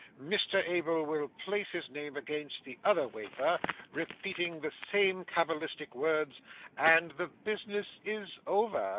Mr Abel will place his name against the other wafer, repeating the same cabalistic words, and the business is over.